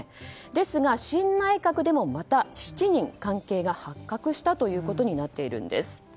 ですが、新内閣でもまた７人関係が発覚したということになっているんです。